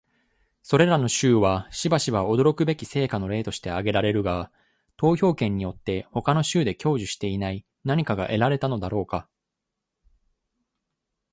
それらの州はしばしば驚くべき成果の例として挙げられるが、投票権によって他の州で享受していない何かが得られたのだろうか？